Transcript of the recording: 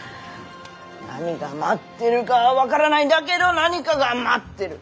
何が待ってるかは分からないだけど何かが待ってる。